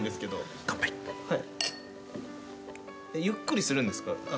ゆっくりするんですか？